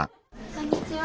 こんにちは。